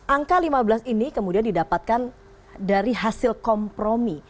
angka lima belas ini kemudian didapatkan dari hasil kompromi